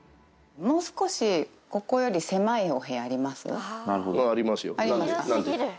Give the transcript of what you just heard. もう少し、ここより狭いお部ありますよ。ありますか？